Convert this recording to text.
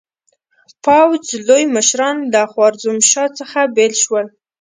پوځ لوی مشران له خوارزمشاه څخه بېل شول.